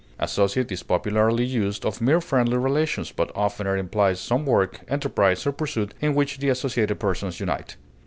Associate is popularly used of mere friendly relations, but oftener implies some work, enterprise, or pursuit in which the associated persons unite.